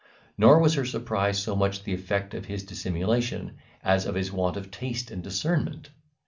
Nor was her surprise so much the effect of his dissimulation, as of his want of taste and discernment.